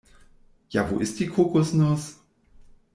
Ja, wo ist die Kokosnuss?